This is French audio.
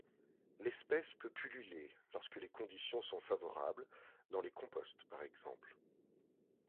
L'espèce peut pulluler lorsque les conditions sont favorables, dans les composts par exemple.